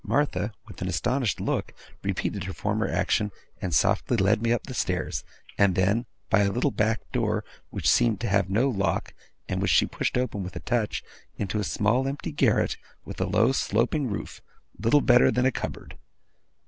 Martha, with an astonished look, repeated her former action, and softly led me up the stairs; and then, by a little back door which seemed to have no lock, and which she pushed open with a touch, into a small empty garret with a low sloping roof, little better than a cupboard.